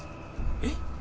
えっ？